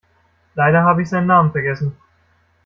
Leider habe ich seinen Namen vergessen.